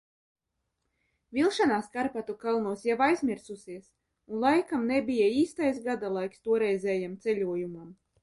Vilšanās Karpatu kalnos jau aizmirsusies un laikam nebija īstais gada laiks toreizējam ceļojumam.